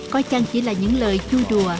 có chăng chỉ là những lời chui đùa